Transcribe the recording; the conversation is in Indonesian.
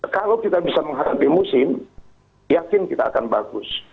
kalau kita bisa menghadapi musim yakin kita akan bagus